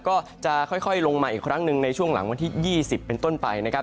ก็จะค่อยลงมาอีกครั้งหนึ่งในช่วงหลังวันที่๒๐เป็นต้นไปนะครับ